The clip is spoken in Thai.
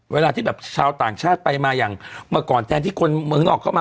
เวลาที่แบบชาวต่างชาติไปมาอย่างเมื่อก่อนแทนที่คนเมืองนอกเข้ามา